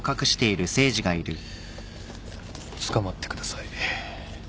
つかまってください。